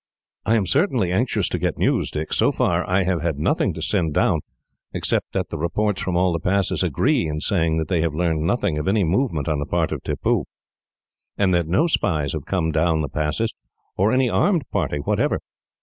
"I am certainly anxious to get news, Dick. So far, I have had nothing to send down, except that the reports, from all the passes, agree in saying that they have learned nothing of any movement on the part of Tippoo, and that no spies have come down the passes, or any armed party whatever.